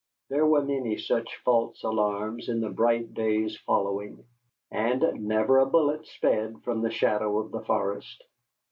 There were many such false alarms in the bright days following, and never a bullet sped from the shadow of the forest.